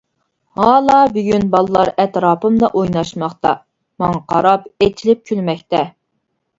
ھالا بۈگۈن بالىلار ئەتراپىمدا ئويناشماقتا، ماڭا قاراپ ئېچىلىپ كۈلمەكتە.